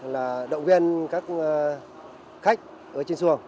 là động viên các khách ở trên xuồng